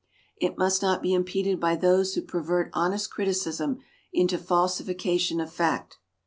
It must not be impeded by those who pervert honest criticism into falsification of fact.